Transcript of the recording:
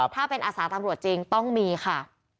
ถ้าเป็นอาสาตำรวจจริงต้องมีค่ะ